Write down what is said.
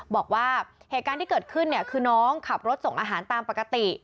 บอกว่าเหตุการณ์ที่เกิดขึ้นเนี่ยคือน้องขับรถส่งอาหารตามปกติ